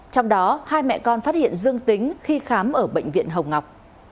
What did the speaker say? trong đó hai mẹ con phát hiện dương tính khi khám ở bệnh viện hồng ngọc